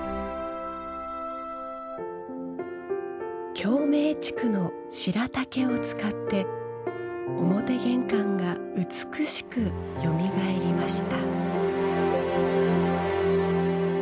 京銘竹の白竹を使って表玄関が美しくよみがえりました。